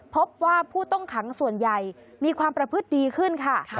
พบว่าผู้ต้องขังส่วนใหญ่มีความประพฤติดีขึ้นค่ะ